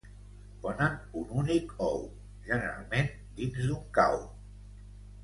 Ponen un únic ou, generalment dins d'un cau.